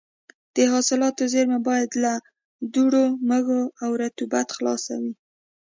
د حاصلاتو زېرمه باید له دوړو، مږو او رطوبت خلاصه وي.